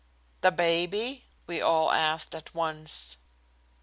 "The baby?" we all asked at once.